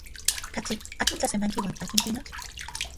¿Katli akin tlasemanki uan akin pinotl?